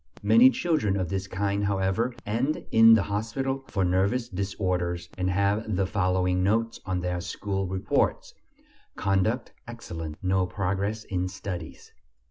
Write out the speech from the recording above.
Many children of this kind, however, end in the hospital for nervous disorders and have the following notes on their school reports: "Conduct excellent; no progress in studies."